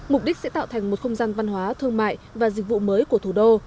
mục đích sẽ tạo thành một không gian văn hóa thương mại và dịch vụ mới của thủ đô